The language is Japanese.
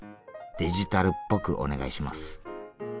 デジタルっぽくお願いします。